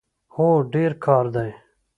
هو، ډیر کار دی